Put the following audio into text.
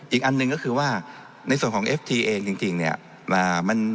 อีกอันหนึ่งก็คือว่าในส่วนของเอฟทีเองจริงเนี่ย